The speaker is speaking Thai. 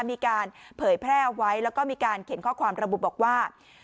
มีการเผยแพร่ไว้แล้วก็มีการเขียนข้อความระบุบอกว่า